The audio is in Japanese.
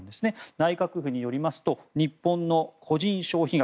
内閣府によりますと日本の個人消費額